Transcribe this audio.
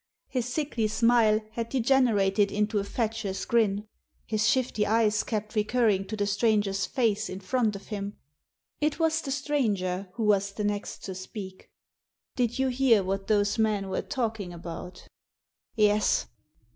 His sickly smile had degenerated into a fatuous grin. His shifty eyes kept recurring to the stranger's face in front of him. It was the stranger who was the next to speak, "Did you hear what those men were talking about?" "Yes."